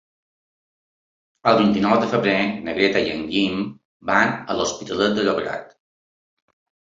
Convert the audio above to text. El vint-i-nou de febrer na Greta i en Guim van a l'Hospitalet de Llobregat.